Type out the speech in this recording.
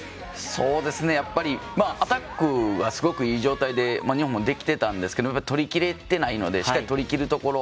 アタックはすごくいい状態で日本もできてたんですけど取りきれてないのでしっかり取りきるところ。